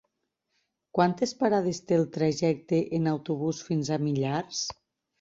Quantes parades té el trajecte en autobús fins a Millars?